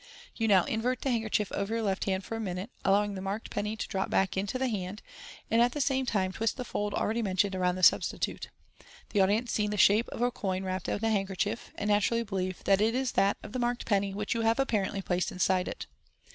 You now invert the hand kerchief over your left hand for a minute, allowing the marked penny to drop back into that hand, and at the same time twist the fold already mentioned around the substitute. The audience see the shape of a coin wrapped up in the handkerchief, and naturally believe that it is that of the marked penny which you have apparently placed inside it.